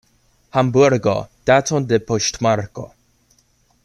Hamburgo, daton de poŝtmarko.